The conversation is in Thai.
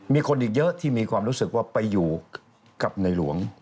มีคนอีกเยอะที่มีความรู้สึกว่าไปอยู่กับในหลวง